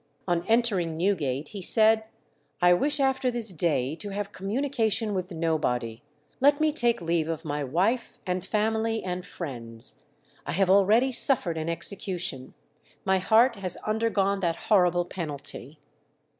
On entering Newgate he said, "I wish after this day to have communication with nobody; let me take leave of my wife, and family, and friends. I have already suffered an execution; my heart has undergone that horrible penalty."